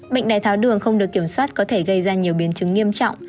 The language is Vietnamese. bệnh đái tháo đường không được kiểm soát có thể gây ra nhiều biến chứng nghiêm trọng